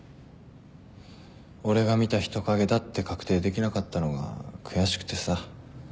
俺が見た人影だって確定できなかったのが悔しくてさ。